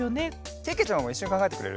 けけちゃまもいっしょにかんがえてくれる？